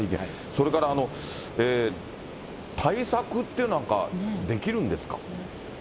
それから対策というのはなんかできるんですか。